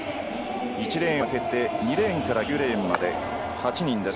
１レーンを空けて２レーンから９レーンまで８人です。